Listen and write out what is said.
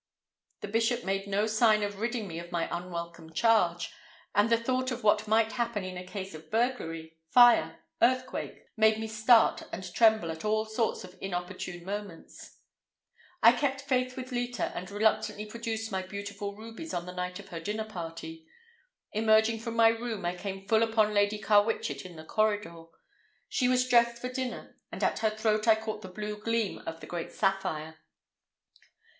The bishop made no sign of ridding me of my unwelcome charge, and the thought of what might happen in a case of burglary—fire—earthquake—made me start and tremble at all sorts of inopportune moments. I kept faith with Leta, and reluctantly produced my beautiful rubies on the night of her dinner party. Emerging from my room I came full upon Lady Carwitchet in the corridor. She was dressed for dinner, and at her throat I caught the blue gleam of the great sapphire.